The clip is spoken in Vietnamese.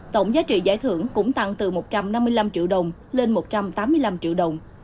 tổng giá trị giải thưởng cũng tăng từ một trăm năm mươi năm triệu đồng lên một trăm tám mươi năm triệu đồng